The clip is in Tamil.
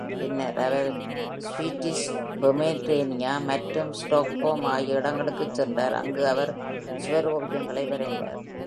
பின்னர் அவர் ஸ்வீடிஷ் பொமரேனியா மற்றும் ஸ்டாக்ஹோம் ஆகிய இடங்களுக்குச் சென்றார், அங்கு அவர் சுவரோவியங்களை வரைந்தார்.